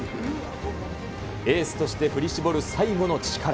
エースとして振り絞る最後の力。